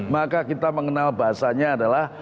maka kita mengenal bahasanya adalah